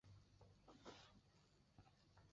元龟元年。